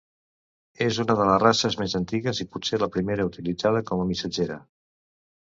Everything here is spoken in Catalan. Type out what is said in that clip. És una de les races més antigues i potser la primera utilitzada com a missatgera.